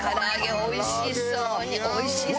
おいしそうに。